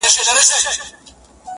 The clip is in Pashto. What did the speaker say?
دی پر خپلي مجموعې د خبرو په لړ کي لیکي